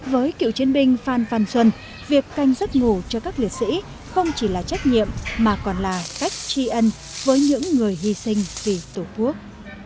với cựu chiến binh phan phan xuân việc canh giấc ngủ cho các liệt sĩ không chỉ là trách nhiệm mà còn là cách tri ân với những người hy sinh vì tổ quốc